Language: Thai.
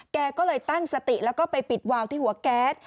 แกก็เลยตั้งสติแล้วก็ไปปิดวาวที่หัวแก๊ส